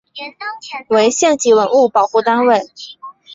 为县级文物保护单位。